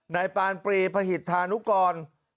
นายปานปรีพหิตธานุกร